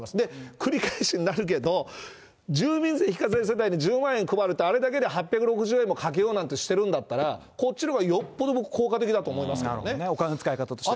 繰り返しになるけど、住民税非課税世帯に１０万円配るって、あれだけで８６０億円かけようなんてしてるんだったら、こっちのほうがよっぽど僕、効果的だと思いますけどね、お金の使い方として。